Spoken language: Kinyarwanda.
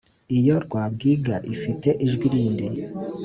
Iyo rwabwiga ifite ijwi rindi,